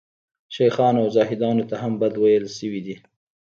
شیخانو او زاهدانو ته هم بد ویل شوي دي.